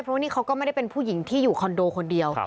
เพราะว่านี่เขาก็ไม่ได้เป็นผู้หญิงที่อยู่คอนโดคนเดียว